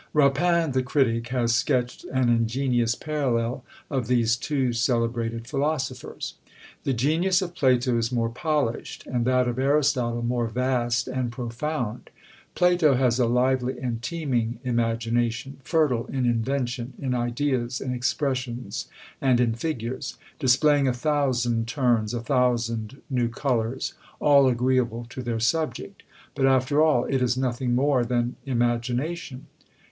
Rapin, the critic, has sketched an ingenious parallel of these two celebrated philosophers: "The genius of Plato is more polished, and that of Aristotle more vast and profound. Plato has a lively and teeming imagination; fertile in invention, in ideas, in expressions, and in figures; displaying a thousand turns, a thousand new colours, all agreeable to their subject; but after all it is nothing more than imagination.